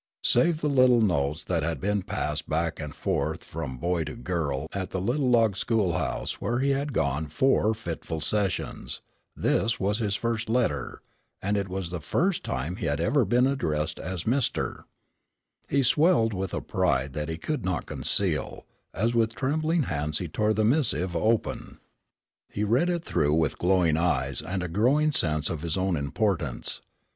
Save the little notes that had been passed back and forth from boy to girl at the little log schoolhouse where he had gone four fitful sessions, this was his first letter, and it was the first time he had ever been addressed as "Mr." He swelled with a pride that he could not conceal, as with trembling hands he tore the missive open. [Illustration: HIS BROTHER AND SISTER.] He read it through with glowing eyes and a growing sense of his own importance.